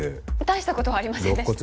大した事はありませんでした。